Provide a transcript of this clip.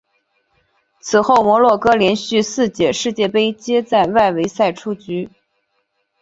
此后摩洛哥连续四届世界杯皆在外围赛出局。